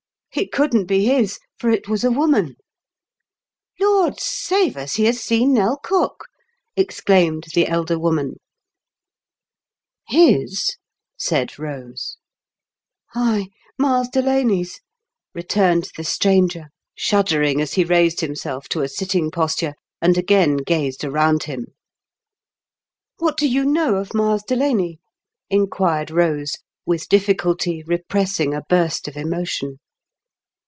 It couldn't be his, for it was a woman." " Lord save us ! He has seen Nell Cook 1 " exclaimed the elder woman. " ills ?" said Eose. "Ay, Miles Delaney's," returned "the stranger, shuddering as he raised ;himsfilf to 200 IN KENT WITH CHARLES DICKENS. a sitting posture, and again gazed around him. " What do you know of Miles Delaney ?" inquired Kose, with difficulty repressing a burst of emotion.